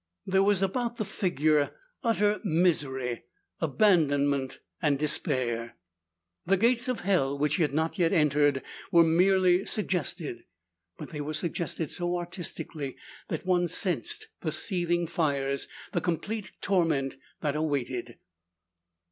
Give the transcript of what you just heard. There was about the figure utter misery, abandonment and despair. The gates of hell, which he had not yet entered, were merely suggested. But they were suggested so artistically that one sensed the seething fires, the complete torment, that awaited.